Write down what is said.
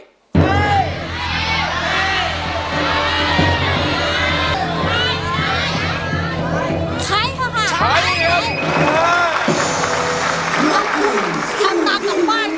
ใช้ค่ะ